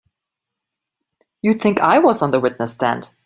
You'd think I was on the witness stand!